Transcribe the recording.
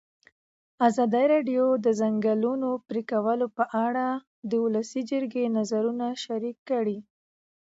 ازادي راډیو د د ځنګلونو پرېکول په اړه د ولسي جرګې نظرونه شریک کړي.